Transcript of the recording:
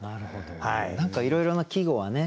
何かいろいろな季語はね